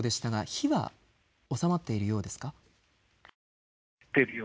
火は収まっているようです。